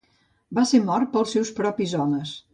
Va ser mort pels seus propis homes.